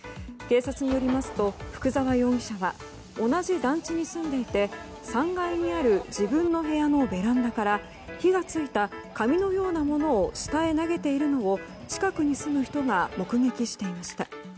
警察によりますと福沢容疑者は同じ団地に住んでいて３階にある自分の部屋のベランダから火が付いた紙のようなものを下へ投げているのを近くに住む人が目撃していました。